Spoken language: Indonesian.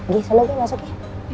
gini selalu masuk giki